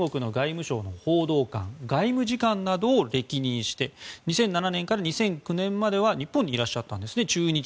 中国の外務省の報道官外務次官などを歴任して２００７年から２００９年までは日本にいらっしゃったんですね。